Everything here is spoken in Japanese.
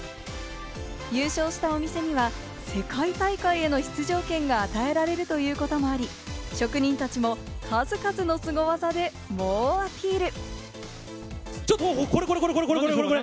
優勝したお店には世界大会への出場権が与えられるということもあり、職人たちも数々のスゴ技で猛アピール。